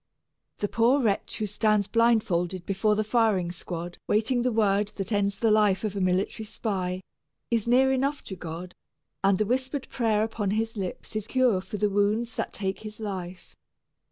The poor wretch who stands blindfolded before the firing squad, waiting the word that ends the life of a military spy, is near enough to God and the whispered prayer upon his lips is cure for the wounds that take his life.